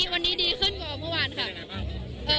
วันนี้ดีขึ้นกว่าเมื่อวานค่ะ